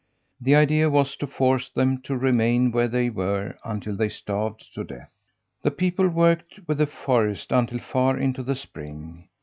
The idea was to force them to remain where they were until they starved to death. The people worked with the forest until far into the spring.